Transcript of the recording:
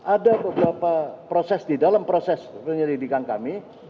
ada beberapa proses di dalam proses penyelidikan kami